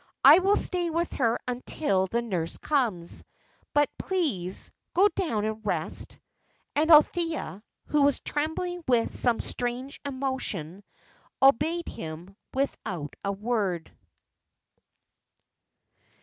"I will stay with her until the nurse comes. But please, go down and rest." And Althea, who was trembling with some strange emotion, obeyed him without a word.